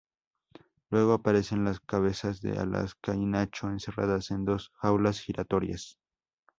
Luego aparecen las cabezas de Alaska y Nacho encerradas en dos jaulas giratorias.